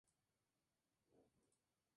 Habita en la República Democrática del Congo